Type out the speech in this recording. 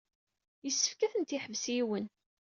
Yessefk ad tent-yeḥbes yiwen.